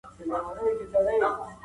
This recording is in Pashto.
په خامه خوله پخه وعده ستایمه